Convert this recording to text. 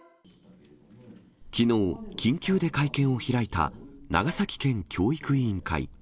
きのう、緊急で会見を開いた長崎県教育委員会。